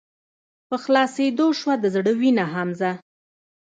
په خلاصيدو شــوه د زړه وينه حمزه